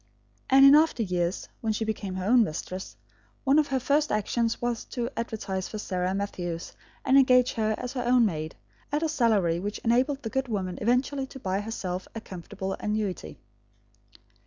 And in after years, when she became her own mistress, one of her first actions was to advertise for Sarah Matthews and engage her as her own maid, at a salary which enabled the good woman eventually to buy herself a comfortable annuity.